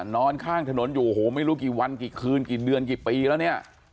นอนข้างถนนอยู่โอ้โหไม่รู้กี่วันกี่คืนกี่เดือนกี่ปีแล้วเนี่ย